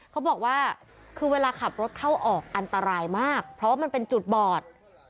เขาบอกว่าคือเวลาขับรถเข้าออกอันตรายมากเพราะว่ามันเป็นจุดบอด